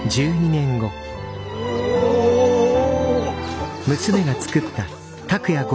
おお。